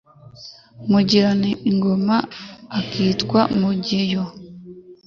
Mugira n'ingoma ikitwa Mugeyo.